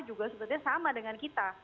juga sebetulnya sama dengan kita